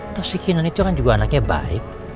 tuh si kinan itu kan juga anaknya baik